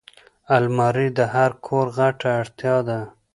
الماري د هر کور غټه اړتیا ده